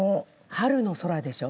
春の空でしょ？